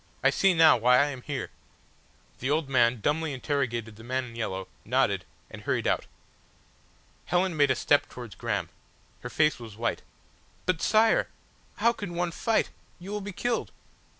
I see now why I am here!" The old man dumbly interrogated the man in yellow nodded, and hurried out. Helen made a step towards Graham. Her face was white. "But, Sire! How can one fight? You will be killed."